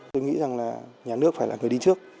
tôi nghĩ rằng là nhà nước phải là người đi trước